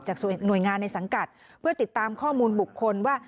หน่วยงานในสังกัดเพื่อติดตามข้อมูลบุคคลว่า